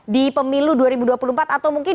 di pemilu dua ribu dua puluh empat atau mungkin